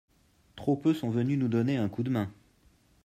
Top peu sont venus nous donner un coup de main.